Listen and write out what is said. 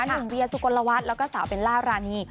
หนุ่มเวียสุโกนละวัดแล้วก็สาวเบลล่ารานี